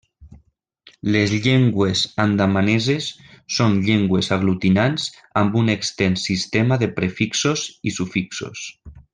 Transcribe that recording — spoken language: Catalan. Les llengües andamaneses són llengües aglutinants, amb un extens sistema de prefixos i sufixos.